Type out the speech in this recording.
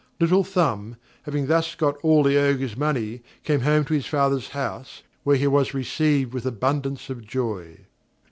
Little Thumb, having thus got all the Ogre's money, came home to his father's house, where he was received with abundance of joy.